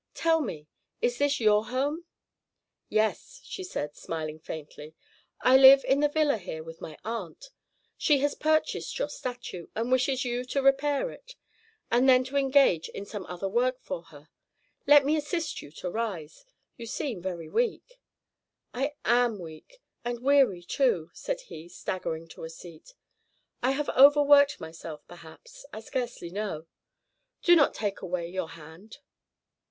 Tell me, is this your home?" "Yes," said she, smiling faintly. "I live in the villa here with my aunt. She has purchased your statue, and wishes you to repair it, and then to engage in some other work for her. Let me assist you to rise; you seem very weak." "I am weak, and weary too," said he, staggering to a seat. "I have overworked myself, perhaps, I scarcely know. Do not take away your hand."